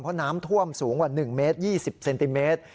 เพราะน้ำท่วมสูงกว่า๑เมตร๒๐เซนติเมตร